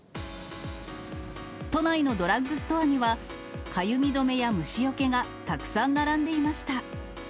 都内のドラッグストアにはかゆみ止めや虫よけがたくさん並んでいました。